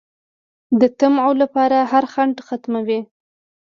د طمعو لپاره هر خنډ ختموي